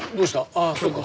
ああそうか。